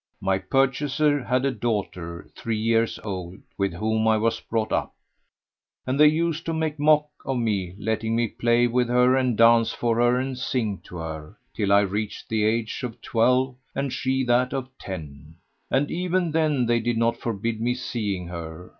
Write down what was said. [FN#90] My purchaser had a daughter three years old, with whom I was brought up, and they used to make mock of me, letting me play with her and dance for her[FN#91] and sing to her, till I reached the age of twelve and she that of ten; and even then they did not forbid me seeing her.